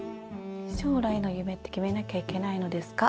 「しょうらいの夢って決めなきゃいけないのですか。」。